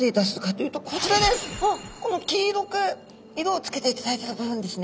この黄色く色をつけていただいてる部分ですね。